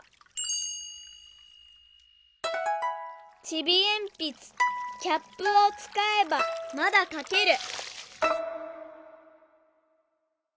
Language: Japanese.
「ちびえんぴつキャップを使えばまだ書ける！」。